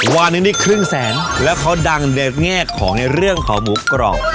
วันหนึ่งนี่ครึ่งแสนแล้วเขาดังในแง่ของในเรื่องของหมูกรอบ